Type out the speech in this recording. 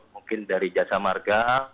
mungkin dari jasa marga